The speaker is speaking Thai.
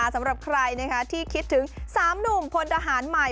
สำหรับใครที่คิดถึง๓หนุ่มพลทหารใหม่